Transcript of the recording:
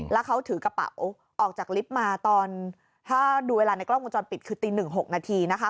แล้วเขาถือกระเป๋าออกจากลิฟต์มาตอนถ้าดูเวลาในกล้องวงจรปิดคือตีหนึ่งหกนาทีนะคะ